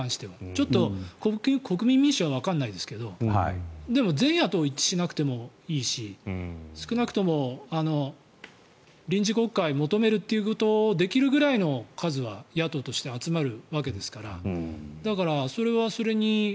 ちょっと国民民主党はわからないですがでも全野党一致しなくてもいいし少なくとも臨時国会を求めることができるぐらいの数は野党としては集まるわけですからそれはそれに。